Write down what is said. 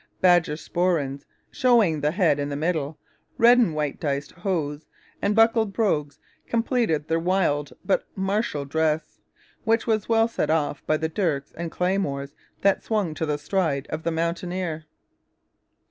Badger sporrans, showing the head in the middle, red and white diced hose, and buckled brogues completed their wild but martial dress, which was well set off by the dirks and claymores that swung to the stride of the mountaineer.